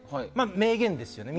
名言ですね。